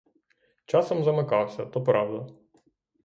Часом замикався, то правда.